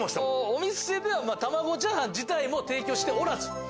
お店では玉子チャーハン自体も提供しておらず。